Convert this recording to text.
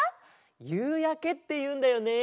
「ゆうやけ」っていうんだよね。